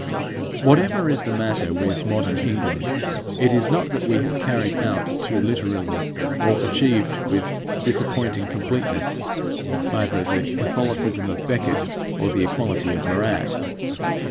Whatever is the matter with modern England it is not that we have carried out too literally, or achieved with disappointing completeness, either the Catholicism of Becket or the equality of Marat.